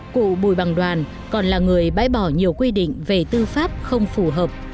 cụ bùi bằng đoàn còn là người bãi bỏ nhiều quy định về tư pháp không phù hợp